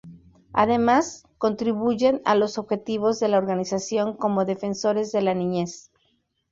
Además contribuyen a los objetivos de la organización como Defensores de la Niñez.